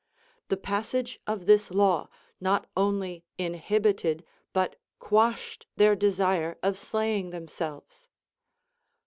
The passage of this law not only inhibited but quashed their desire of slaying themselves.